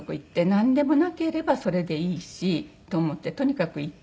なんでもなければそれでいいしと思ってとにかく行って。